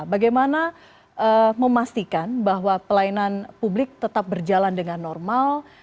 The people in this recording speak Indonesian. bagaimana memastikan bahwa pelayanan publik tetap berjalan dengan normal